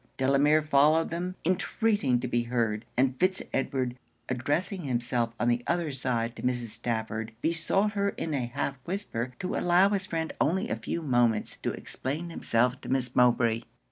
Delamere followed them, intreating to be heard; and Fitz Edward, addressing himself on the other side to Mrs. Stafford, besought her in a half whisper to allow his friend only a few moments to explain himself to Miss Mowbray.